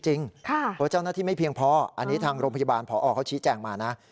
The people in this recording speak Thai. เพราะเจ้าหน้าที่ไม่เพียงพออันนี้ทางโรงพยาบาลพอเขาชี้แจงมานะ